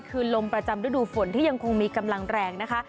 คือลมประจำฤดูฝนที่ยังคงมีกำลังแรงนะคะ